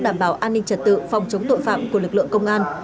đảm bảo an ninh trật tự phòng chống tội phạm của lực lượng công an